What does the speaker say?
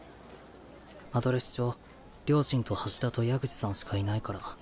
アドレス帳両親と橋田と矢口さんしかいないから。